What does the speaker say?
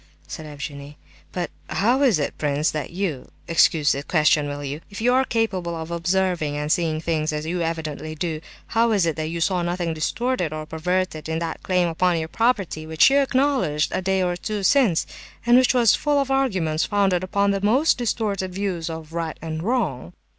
said Evgenie. "But—how is it, prince, that you—(excuse the question, will you?)—if you are capable of observing and seeing things as you evidently do, how is it that you saw nothing distorted or perverted in that claim upon your property, which you acknowledged a day or two since; and which was full of arguments founded upon the most distorted views of right and wrong?"